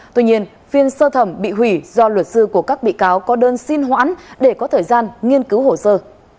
tuy nhiên phiên sơ thẩm bị hủy do luật sư của các bị cáo có đơn xin hoãn để có thời gian nghiên cứu hồ sơ